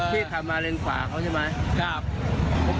ที่ขับมาเลนขวาเขาใช่ไหม